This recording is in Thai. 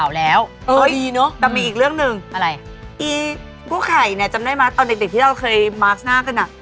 กลิ่นไข่เนี่ยจำได้ไหมตอนเด็กที่เราเคยมาร์คหน้ากันอะ